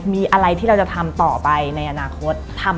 มีอะไรที่เราจะทำต่อไปในอนาคต